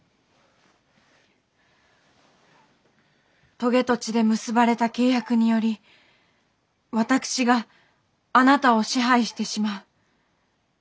棘と血で結ばれた契約により私があなたを支配してしまう。